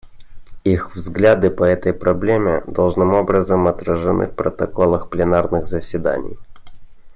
Их взгляды по этой проблеме должным образом отражены в протоколах пленарных заседаний.